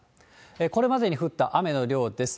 これまでに降った雨の量です。